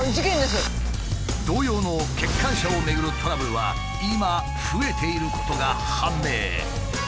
同様の欠陥車をめぐるトラブルは今増えていることが判明。